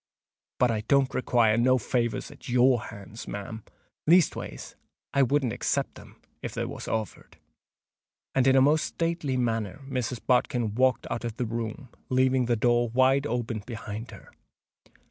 But I don't require no favours at your hands, ma'am—leastways, I wouldn't except them if they was offered." And in a most stately manner Mrs. Bodkin walked out of the room, leaving the door wide open behind her.